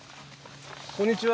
こんにちは。